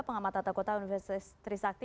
pengamat tata kota universitas trisakti